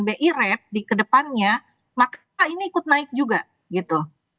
bi rate di kedepannya maka ini ikut naik juga gitu